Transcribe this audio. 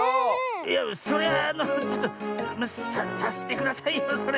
いやそれはあのちょっとさっしてくださいよそれ。